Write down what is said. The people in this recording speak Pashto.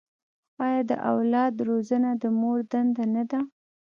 آیا د اولاد روزنه د مور دنده نه ده؟